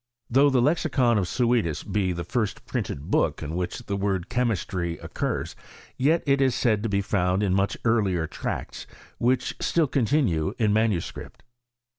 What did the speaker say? Though the lexicon of Suidas be the first printed book in which the word Chemistry occurs, yet it ift said to be found in much earlier tracts, which still continue in manuscript.